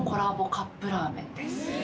カップラーメンです